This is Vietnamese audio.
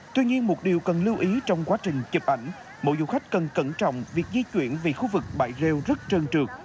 tuy nhiên một điều cần lưu ý trong quá trình chụp ảnh mỗi du khách cần cẩn trọng việc di chuyển về khu vực bãi rêu rất trơn trượt